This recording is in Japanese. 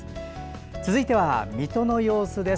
続いては水戸の様子です。